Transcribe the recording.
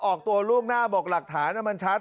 ออกตัวล่วงหน้าบอกหลักฐานมันชัด